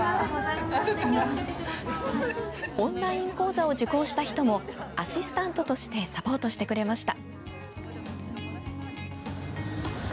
オンライン講座を受講した人もアシスタントとしてサポートしてくれました。